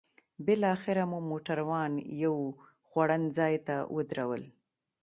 بالاخره مو موټران یو خوړنځای ته ودرول.